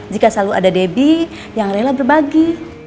jika selalu ada debbie yang rela berbagi